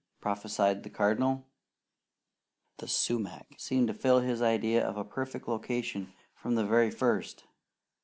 prophesied the Cardinal The sumac seemed to fill his idea of a perfect location from the very first.